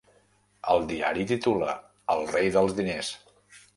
El diari titula ‘el rei dels diners’.